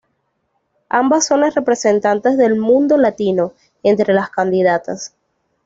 Ambas son las representantes del "mundo latino" entre las candidatas.